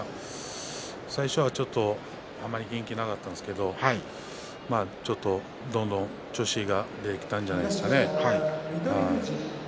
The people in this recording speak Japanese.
最初は、ちょっとあまり元気なかったんですけどどんどん調子が出てきたんじゃないですかね。